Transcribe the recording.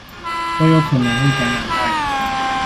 都有可能會感染愛滋